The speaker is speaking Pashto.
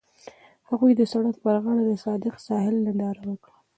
هغوی د سړک پر غاړه د صادق ساحل ننداره وکړه.